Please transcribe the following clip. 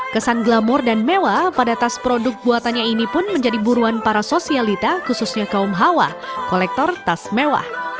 kesan glamor dan mewah pada tas produk buatannya ini pun menjadi buruan para sosialita khususnya kaum hawa kolektor tas mewah